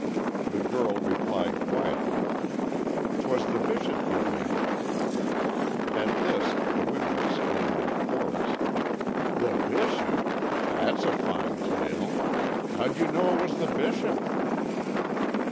The girl replied quietly, "'Twas the Bishop give me 'em." At this the women exclaimed in chorus, "The Bishop! That's a fine tale! How'd you know it was the Bishop?"